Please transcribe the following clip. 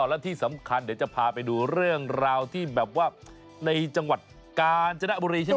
และที่สำคัญเดี๋ยวจะพาไปดูเรื่องราวที่แบบว่าในจังหวัดกาญจนบุรีใช่ไหม